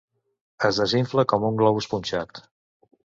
Es desinfla com un globus punxat.